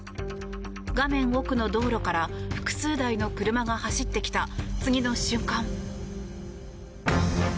画面奥の道路から複数台の車が走ってきた次の瞬間。